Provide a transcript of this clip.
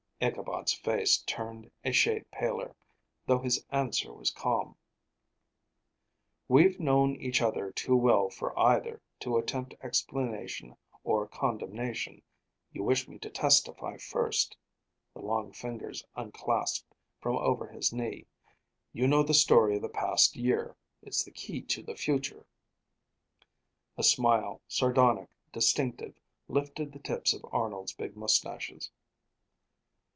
Ichabod's face turned a shade paler, though his answer was calm. "We've known each other too well for either to attempt explanation or condemnation. You wish me to testify first." The long fingers unclasped from over his knee. "You know the story of the past year: it's the key to the future." A smile, sardonic, distinctive, lifted the tips of Arnold's big moustaches.